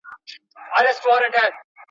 د سمندر تورو څپو څخه مچکه واخلي.